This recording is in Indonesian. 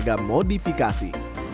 dan beragam modifikasi